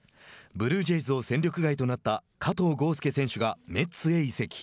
ブルージェイズを戦力外となった加藤豪将選手がメッツへ移籍。